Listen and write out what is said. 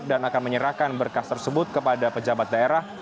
dan akan menyerahkan berkas tersebut kepada pejabat daerah